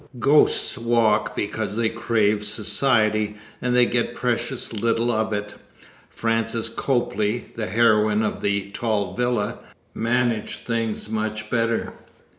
Ghosts walk because they crave society and they get precious little of it. Frances Copley, the heroine of "The Tall Villa," managed things much better.